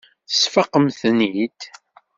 Tesfaqemt-ten-id.